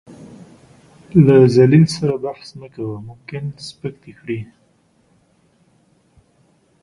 له ذليل سره بحث مه کوه ، ممکن سپک دې کړي .